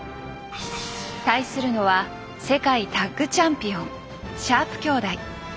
対するのは世界タッグチャンピオンシャープ兄弟。